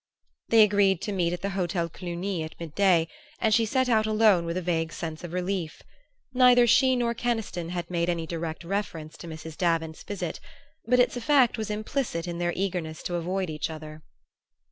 They agreed to meet at the Hotel Cluny at mid day, and she set out alone with a vague sense of relief. Neither she nor Keniston had made any direct reference to Mrs. Davant's visit; but its effect was implicit in their eagerness to avoid each other.